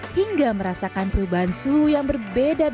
hingga merasakan perubahan suhu yang berbeda beda